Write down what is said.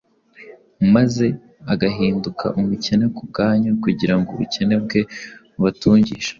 maze agahinduka umukene ku bwanyu, kugira ngo ubukene bwe bubatungishe.